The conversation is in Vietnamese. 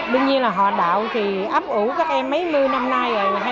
tuy nhiên là họ đạo thì ấp ủ các em mấy mươi năm nay rồi